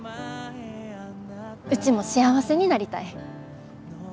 うちも幸せになりたい。